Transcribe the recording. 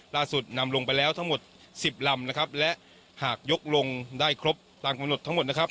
นำลงไปแล้วทั้งหมดสิบลำนะครับและหากยกลงได้ครบตามกำหนดทั้งหมดนะครับ